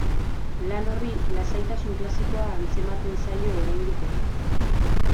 Lan horri lasaitasun klasikoa antzematen zaio oraindik ere.